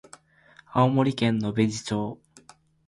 青森県野辺地町